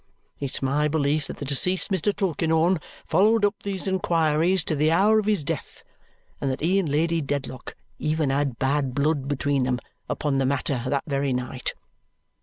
It's my belief that the deceased Mr. Tulkinghorn followed up these inquiries to the hour of his death and that he and Lady Dedlock even had bad blood between them upon the matter that very night.